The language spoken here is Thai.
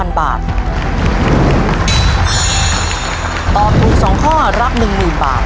ตอบถูก๒ข้อรับ๑๐๐๐บาท